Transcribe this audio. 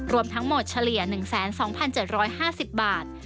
รวมทั้งหมดเฉลี่ย๑๒๗๕๐บาท